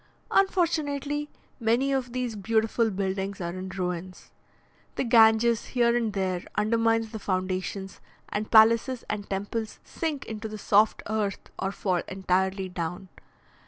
Unfortunately, many of these beautiful buildings are in ruins. The Ganges here and there undermines the foundations, and palaces and temples sink into the soft earth or fall entirely down.